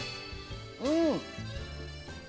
うん！